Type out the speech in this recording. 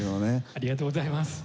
ありがとうございます。